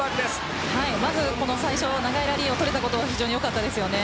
まず最初長いラリーをとれたことは非常に良かったですね。